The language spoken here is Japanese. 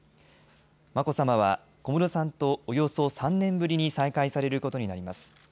眞子さまは小室さんとおよそ３年ぶりに再会されることになります。